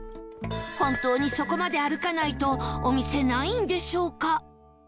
本当にそこまで歩かないとお店ないんでしょうか？